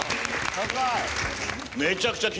高い！